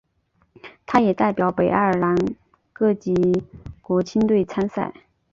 他也代表北爱尔兰各级国青队参赛。